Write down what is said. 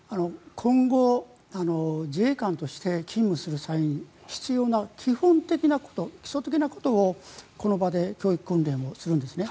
今後自衛官として勤務する際に必要な基本的なこと、基礎的なことをこの場で教育訓練をするんですね。